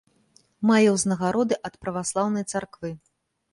Мае ўзнагароды ад праваслаўнай царквы.